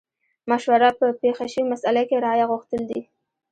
مشوره په پېښه شوې مسئله کې رايه غوښتل دي.